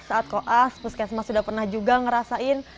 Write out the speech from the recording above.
saat koas puskesmas sudah pernah juga ngerasain